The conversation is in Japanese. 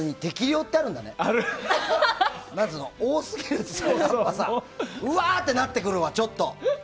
何っていうの、多すぎるとうわってなってくるわ、ちょっと。